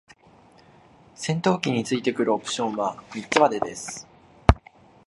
戦闘機に付いてくるオプションは三つまでです。